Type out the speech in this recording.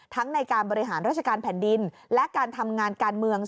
ในการบริหารราชการแผ่นดินและการทำงานการเมือง